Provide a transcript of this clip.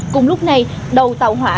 cùng lúc này đầu tàu hỏa